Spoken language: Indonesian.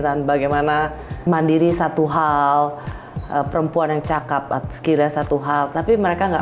dan bagaimana mandiri satu hal perempuan yang cakep at sekilas satu hal tapi mereka nggak